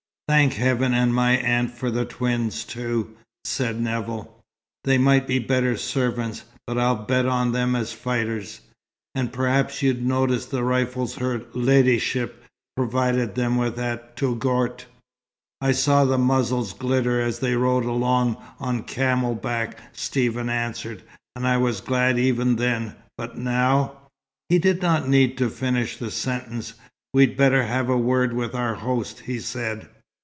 "Thank heaven and my aunt for the twins, too," said Nevill. "They might be better servants, but I'll bet on them as fighters. And perhaps you noticed the rifles her 'leddyship' provided them with at Touggourt?" "I saw the muzzles glitter as they rode along on camel back," Stephen answered. "I was glad even then, but now " He did not need to finish the sentence. "We'd better have a word with our host," he said.